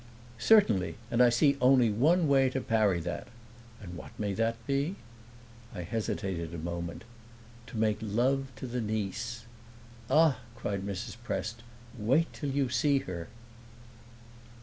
"Certainly, and I see only one way to parry that." "And what may that be?" I hesitated a moment. "To make love to the niece." "Ah," cried Mrs. Prest, "wait till you see her!"